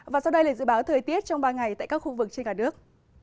và sau đây là dự báo thời tiết trong ba ngày tại các khu vực trên cả nước